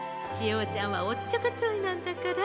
おちゃんはおっちょこちょいなんだから。